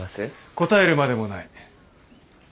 答えるまでもない。